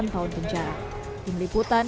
sembilan tahun penjara tim liputan dan sebagainya